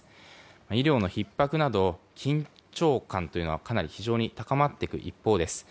医療のひっ迫など緊張感はかなり高まっていく一方です。